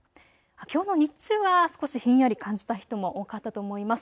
きょうの日中は少しひんやり感じた人も多かったと思います。